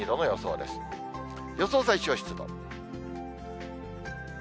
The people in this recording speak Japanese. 予想最小湿度。